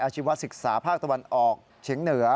ชีวศึกษาภาคตะวันออกเฉียงเหนือ